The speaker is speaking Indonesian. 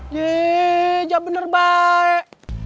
ya bener baik